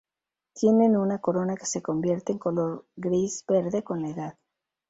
Tienen una corona que se convierte en color gris-verde con la edad.